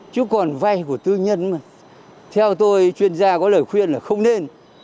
chứ còn vay của tư nhân mà theo tôi chuyên gia có lời khuyên là không nên